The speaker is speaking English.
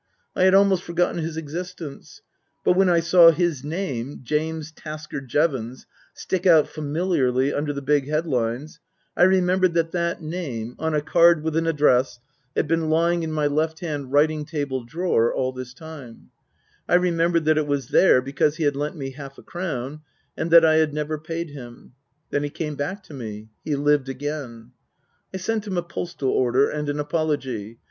I had almost for gotten his existence ; but when I saw his name, James Tasker Jevons, stick out familiarly under the big head lines, I remembered that that name, on a card with an address, had been lying in my left hand writing table drawer all this time ; I remembered that it was there because he had lent me half a crown, and that I had never paid him. Then he came back to me he lived again. I sent him a postal order and an apology.